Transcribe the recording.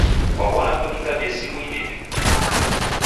Kwaw'ona kunikabie simu idime